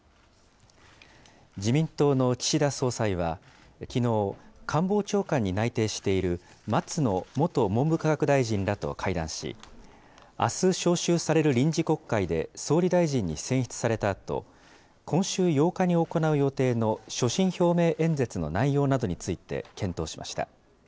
自民党の岸田総裁は、きのう、官房長官に内定している松野元文部科学大臣らと会談し、あす召集される臨時国会で総理大臣に選出されたあと、今週８日に行う予定の所信表明演説の内容などについて検討しました。